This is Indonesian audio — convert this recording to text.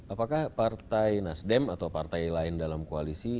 apakah partai nasdem atau partai lain dalam koalisi